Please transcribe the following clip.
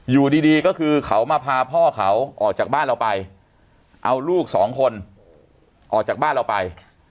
อยู่ดีก็คือเขามาพาพ่อเขาออกจากบ้านเราไปเอาลูกสองคนออกจากบ้านเราไป